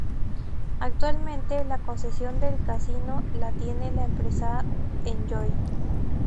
Actualmente, la concesión del casino la tiene la empresa Enjoy.